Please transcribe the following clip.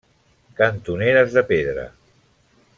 Cantoneres de pedra.